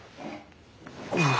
うん！